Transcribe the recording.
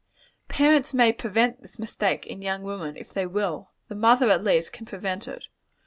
Parents may prevent this mistake in young women, if they will. The mother, at least, can prevent it.